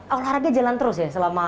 olahraga jalan terus ya selama